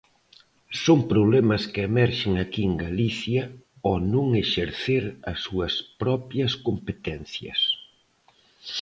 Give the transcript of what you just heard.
Son problemas que emerxen aquí en Galicia ao non exercer as súas propias competencias.